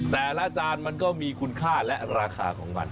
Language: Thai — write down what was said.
แต่ละจานมันก็มีคุณค่าและราคาของมัน